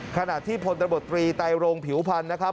ขณะที่ผลตระบบตรีไตรงผิวพันธุ์